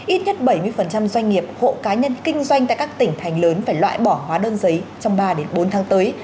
ít nhất bảy mươi doanh nghiệp hộ cá nhân kinh doanh tại các tỉnh thành lớn phải loại bỏ hóa đơn giấy trong ba bốn tháng tới